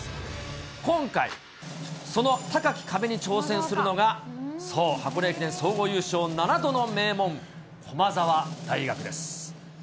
今回、その高き壁に挑戦するのがそう、箱根駅伝総合優勝７度の名門、駒澤大学です。